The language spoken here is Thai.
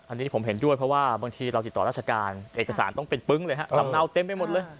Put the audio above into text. อันนี้ผมเห็นด้วยเพราะว่าบางทีเราติดต่อราชการเอกสารต้องเป็นปึ๊งเลยฮะสำเนาเต็มไปหมดเลย